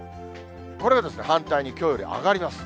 これが反対にきょうより上がります。